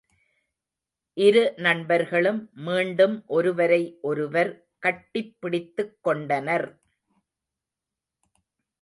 இரு நண்பர்களும் மீண்டும் ஒருவரை ஒருவர் கட்டிப் பிடித்துக் கொண்டனர்.